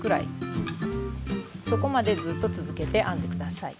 そこまでずっと続けて編んで下さい。